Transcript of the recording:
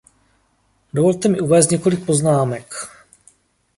Dovolte mi uvést několik poznámek.